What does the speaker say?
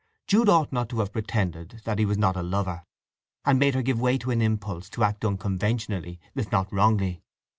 Jude ought not to have pretended that he was not a lover, and made her give way to an impulse to act unconventionally, if not wrongly.